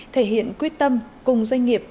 thể hiện quyết tâm cùng doanh nghiệp